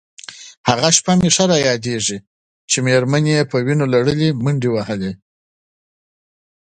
یوه شپه مې ښه یادېږي چې مېرمن یې په وینو لړلې منډې وهلې.